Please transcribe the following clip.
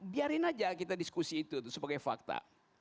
biarkan saja kita diskusi itu sebagai fakta